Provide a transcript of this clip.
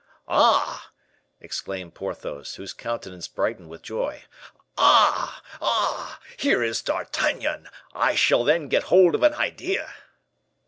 "Ah!" exclaimed Porthos, whose countenance brightened with joy; "ah! ah! Here is D'Artagnan. I shall then get hold of an idea!"